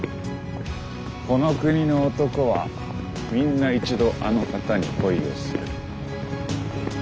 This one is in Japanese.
この国の男はみんな一度あの方に恋をする。